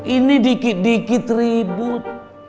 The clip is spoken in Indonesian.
ini dikit dikit ribut